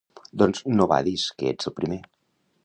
—Doncs no badis que ets el primer.